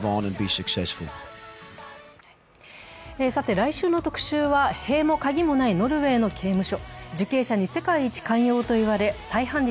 来週の特集は塀も鍵もないノルウェーの刑務所。